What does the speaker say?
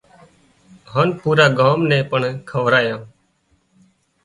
هانَ پُورا ڳام نين پڻ کورايان